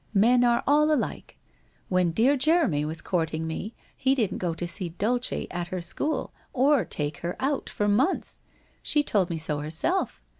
Men are all alike. When dear Jeremy was courting me he didn't go to see Dulce at her school or take her out for months ! She told me so her self.